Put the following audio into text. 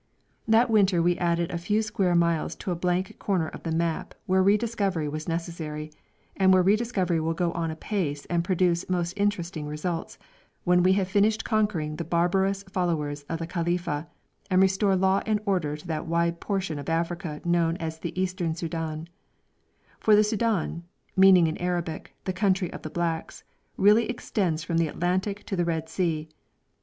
That winter we added a few square miles to a blank corner of the map where re discovery was necessary, and where re discovery will go on apace and produce most interesting results, when we have finished conquering the barbarous followers of the Khalifa, and restore law and order to that wide portion of Africa known as the Eastern Soudan; for the Soudan, meaning in Arabic 'the country of the blacks,' really extends from the Atlantic to the Red Sea.